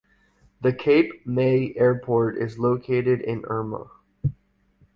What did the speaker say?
The Cape May Airport is located in Erma.